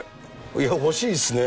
いや、欲しいですね。